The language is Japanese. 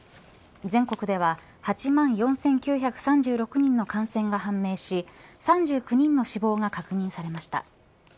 全国では８万４９３６人の感染が判明し３９人の死亡が確認されました。